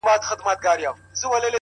اې ښكلي پاچا سومه چي ستا سومه-